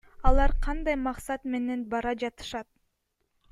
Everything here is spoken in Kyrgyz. Алар кандай максат менен бара жатышат?